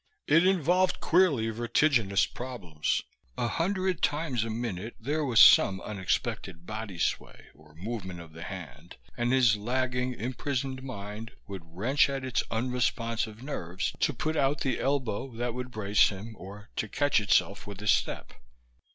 It involved queerly vertiginous problems. A hundred times a minute there was some unexpected body sway or movement of the hand, and his lagging, imprisoned mind would wrench at its unresponsive nerves to put out the elbow that would brace him or to catch itself with a step.